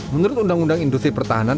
menurut undang undang industri pertahanan